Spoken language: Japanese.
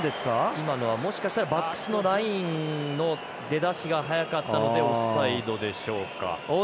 今のはバックスのラインの出だしが早かったのでオフサイドでしょうか。